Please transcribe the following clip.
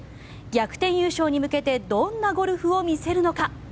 逆転優勝に向けてどんなゴルフを見せるのか。